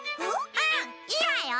うんいいわよ。